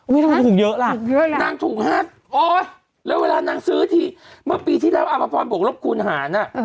ไม่ต้องถูกเยอะล่ะนางถูก๕แล้วเวลานางซื้อที่เมื่อปีที่แล้วอัพพรบวกรบคูณหานะ